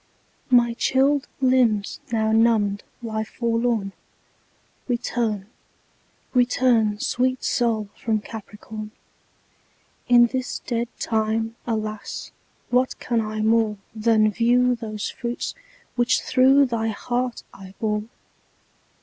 My chilled limbs now numbed lie forlorn; Return; return, sweet Sol, from Capricorn; In this dead time, alas, what can I more Than view those fruits which through thy heart I bore?